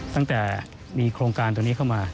ตั้งแต่มีโครงการตรงนี้เข้ามา